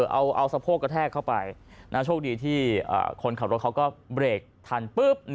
เอาสะโพกกระแทกเข้าไปโชคดีที่คนขับรถเขาก็เบรกทันปุ๊บ